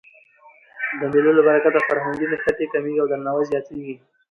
د مېلو له برکته فرهنګي نښتي کمېږي او درناوی زیاتېږي.